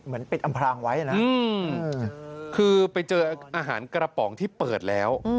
ปิดอำพรางไว้นะคือไปเจออาหารกระป๋องที่เปิดแล้ว